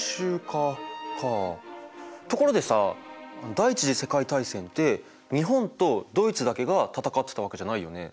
第一次世界大戦って日本とドイツだけが戦ってたわけじゃないよね。